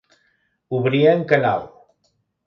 Obrir en canal.